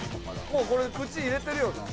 もうこれ口入れてるよな。